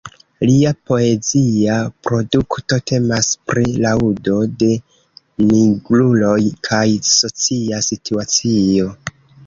Lia poezia produkto temas pri laŭdo de "nigruloj kaj socia situacio".